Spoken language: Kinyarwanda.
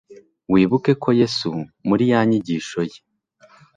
wibuke ko yesu muri ya nyigisho ye